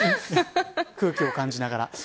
空気を感じながら。